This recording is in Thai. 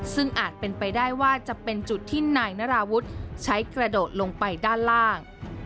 ซึ่งอาจเป็นไปได้ว่าจะเป็นจุดที่นายนราวุฒิใช้กระโดดลงไปด้านล่าง